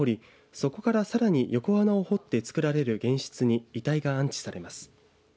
そこから、さらに横穴を掘って作られる玄室に遺体が安置されます。